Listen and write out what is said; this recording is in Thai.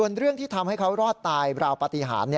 ส่วนเรื่องที่ทำให้เขารอดตายราวปฏิหาร